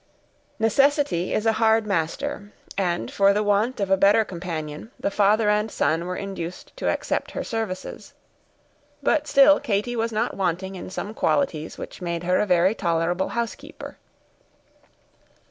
Necessity is a hard master, and, for the want of a better companion, the father and son were induced to accept her services; but still Katy was not wanting in some qualities which made her a very tolerable housekeeper.